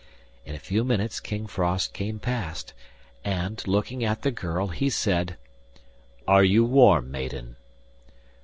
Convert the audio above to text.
In a few minutes King Frost came past, and, looking at the girl, he said: 'Are you warm, maiden?